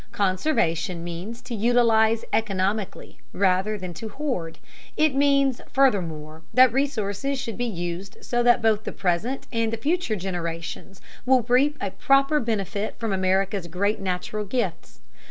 Conservation means to utilize economically, rather than to hoard. It means, furthermore, that resources should be used so that both the present and future generations will reap a proper benefit from America's great natural gifts.